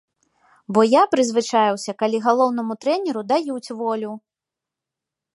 Бо я прызвычаіўся, калі галоўнаму трэнеру даюць волю!